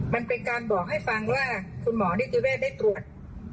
มันเป็นการบอกให้ฟังว่าคุณหมอนิติเวศได้ตรวจ